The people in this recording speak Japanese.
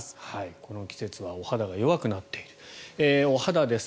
この季節はお肌が弱くなっているお肌です。